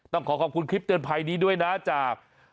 ต้องขอขอบคุณคลิปเตือนภัยนี้ด้วยนะจาก